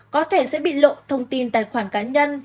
có thể sẽ bị lộ thông tin tài khoản cá nhân